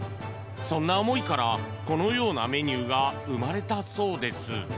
そんな思いからこのようなメニューが生まれたそうです。